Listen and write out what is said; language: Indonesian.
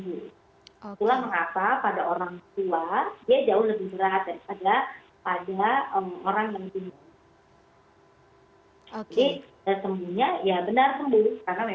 jadi sembuhnya ya benar benar sembuh karena memang pertahanan tubuhnya optimal